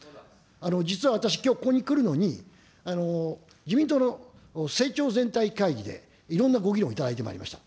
実は私、きょうここに来るのに、自民党の政調全体会議でいろんなご議論をいただいてまいりました。